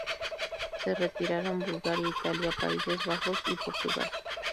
Se retiraron Bulgaria, Italia, Países Bajos y Portugal.